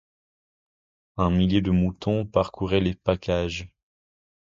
Un millier de moutons parcouraient les pacages.